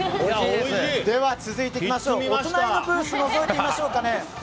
続いて、お隣のブースをのぞいてみましょう。